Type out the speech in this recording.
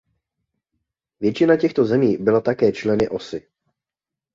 Většina těchto zemí byla také členy Osy.